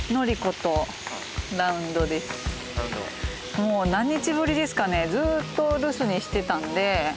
もう何日ぶりですかねずっと留守にしてたんで。